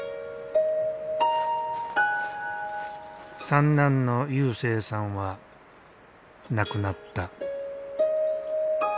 三男の勇征さんは亡くなった。